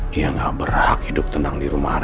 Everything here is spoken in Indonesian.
dia gak berhak hidup tenang di rumah